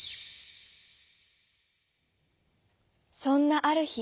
そんなあるひ。